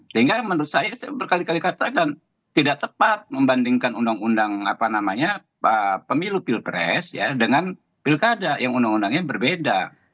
sehingga menurut saya saya berkali kali katakan tidak tepat membandingkan undang undang pemilu pilpres dengan pilkada yang undang undangnya berbeda